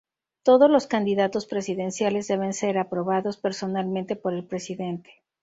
Todos los candidatos presidenciales deben ser aprobados personalmente por el presidente.